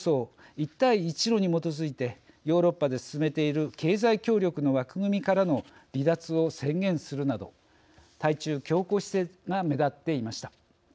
一帯一路に基づいてヨーロッパで進めている経済協力の枠組みからの離脱を宣言するなど対中強硬姿勢が目立っていました。